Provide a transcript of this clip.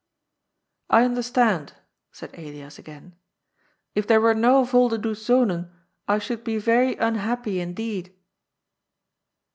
" I understand," said Elias again. " If there were no Volderdoes Zonen, I should be very unhappy indeed."